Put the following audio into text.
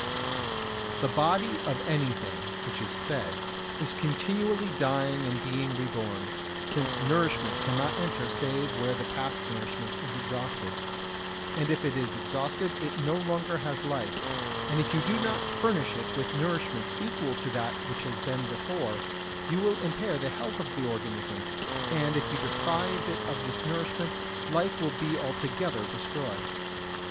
62. The body of anything which is fed is continually dying and being reborn, since nourishment cannot enter save where the past nourishment is exhausted; and if it is exhausted, it no longer has life, and if you do not furnish it with nourishment equal to that which has been before, you will impair the health of the organism, and if you deprive it of this nourishment, life will be altogether destroyed.